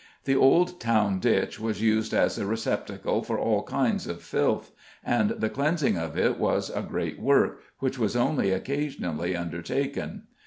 The old town ditch was used as a receptacle for all kinds of filth, and the cleansing of it was a great work, which was only occasionally undertaken.